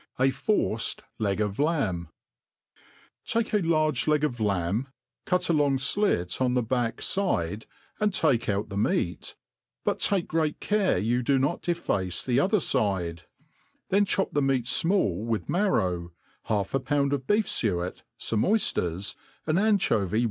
A forced Leg tf LaMr* TAKE z large leg of lamb, cut a long flit on the fcack ttAt and take out the meat, but take grc^at cai*e you do |i6t deface the other fide; then chop the me^t freall with marrow, half a pound of beef fuet, fomeoyfters, an anchovy w?